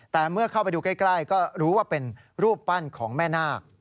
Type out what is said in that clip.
แต่เมื่อเข้าไปดูใกล้ก็รู้ว่าเป็นรูปปั้นของแม่นาค